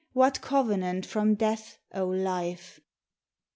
What covenant from Death, O Life?